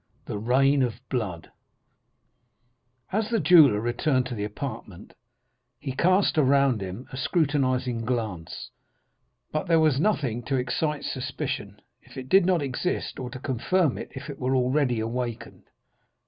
The Rain of Blood As the jeweller returned to the apartment, he cast around him a scrutinizing glance—but there was nothing to excite suspicion, if it did not exist, or to confirm it, if it were already awakened.